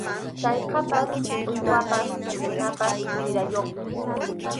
Sallqapas uywapas runapas wirayuqmi.